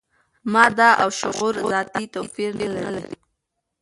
ماده او شعور ذاتي توپیر نه لري.